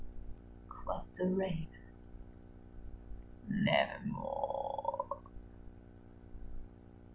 Quoth the Raven, "Nevermore."